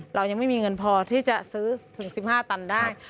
เรายังไม่มีเงินพอที่จะซื้อถึง๑๕ตันได้